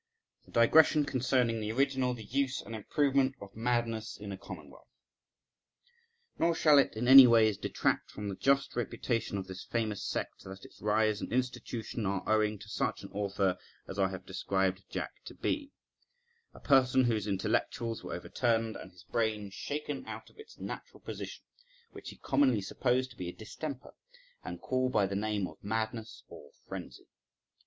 A DIGRESSION CONCERNING THE ORIGINAL, THE USE, AND IMPROVEMENT OF MADNESS IN A COMMONWEALTH. NOR shall it any ways detract from the just reputation of this famous sect that its rise and institution are owing to such an author as I have described Jack to be, a person whose intellectuals were overturned and his brain shaken out of its natural position, which we commonly suppose to be a distemper, and call by the name of madness or frenzy.